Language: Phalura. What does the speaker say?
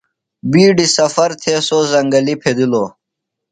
بیڈیۡ سفر تھےۡ سوۡ زنگلیۡ پھیدِلوۡ۔